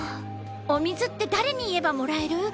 お水って誰に言えばもらえる？